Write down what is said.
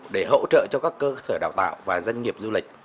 để hỗ trợ cho các cơ sở đào tạo và doanh nghiệp du lịch